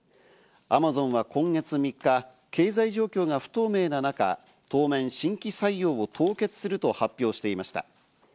アマゾンは今月３日、経済状況が不透明な中、当面、新規採用を凍結すると発表していました。